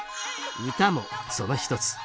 唄もその一つ。